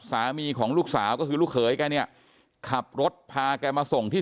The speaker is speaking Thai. สามีของลูกสาวก็คือลูกเขยแกเนี่ยขับรถพาแกมาส่งที่